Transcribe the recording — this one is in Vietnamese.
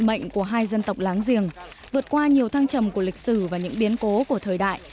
mạnh của hai dân tộc láng giềng vượt qua nhiều thăng trầm của lịch sử và những biến cố của thời đại